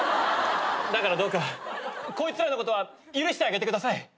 だからどうかこいつらのことは許してあげてください。